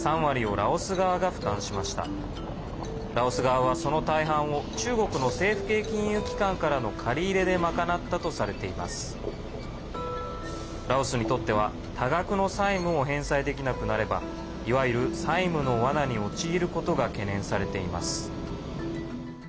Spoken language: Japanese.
ラオスにとっては多額の債務を返済できなくなればいわゆる債務のわなに陥ることが懸念されています。